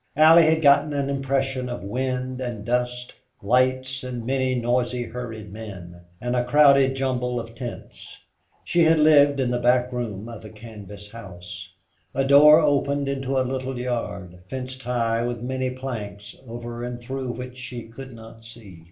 Allie had gotten an impression of wind and dust, lights and many noisy hurried men, and a crowded jumble of tents. She had lived in the back room of a canvas house. A door opened out into a little yard, fenced high with many planks, over or through which she could not see.